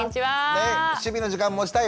趣味の時間持ちたい。